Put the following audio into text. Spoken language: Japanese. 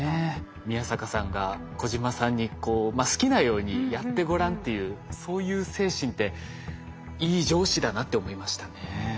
宮坂さんが小島さんに「好きなようにやってごらん」っていうそういう精神っていい上司だなって思いましたね。